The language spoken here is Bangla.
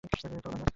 চল, মাইনাস।